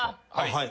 はい。